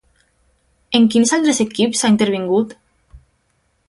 En quins altres equips ha intervingut?